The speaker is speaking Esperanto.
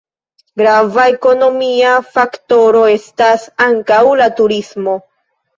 Grava ekonomia faktoro estas ankaŭ la turismo.